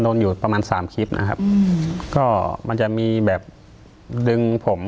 อยู่ประมาณสามคลิปนะครับอืมก็มันจะมีแบบดึงผม